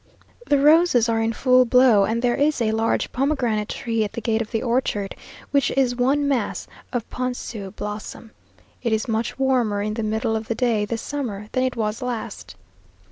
The roses are in full blow; and there is a large pomegranate tree at the gate of the orchard, which is one mass of ponçeau blossom. It is much warmer in the middle of the day this summer than it was last.